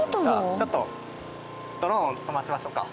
ちょっとドローン飛ばしましょうか。